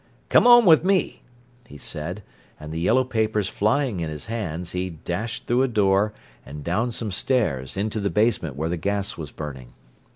"Come on with me," he said, and the yellow papers flying in his hands, he dashed through a door and down some stairs, into the basement where the gas was burning.